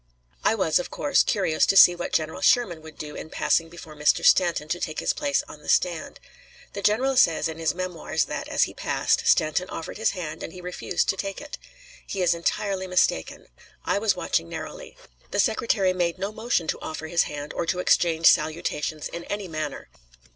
I was, of course, curious to see what General Sherman would do in passing before Mr. Stanton to take his place on the stand. The general says in his Memoirs that, as he passed, Stanton offered his hand and he refused to take it. He is entirely mistaken. I was watching narrowly. The Secretary made no motion to offer his hand, or to exchange salutations in any manner.